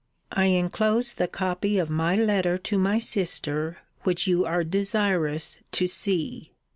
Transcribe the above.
I enclose the copy of my letter to my sister, which you are desirous to see.